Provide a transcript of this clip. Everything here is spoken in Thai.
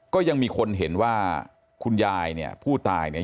ก็ยังมีคนเห็นว่าคุณยายเนี่ยผู้ตายเนี่ย